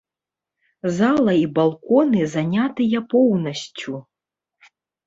Зала і балконы занятыя поўнасцю.